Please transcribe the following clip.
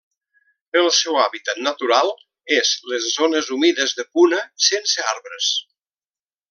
El seu hàbitat natural és les zones humides de Puna sense arbres.